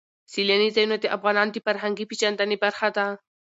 سیلاني ځایونه د افغانانو د فرهنګي پیژندنې برخه ده.